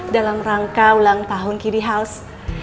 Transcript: dalam rangka ulang tahun kib house